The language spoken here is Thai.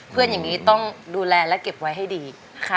เพื่อนอย่างนี้ต้องดูแลและเก็บไว้ให้ดี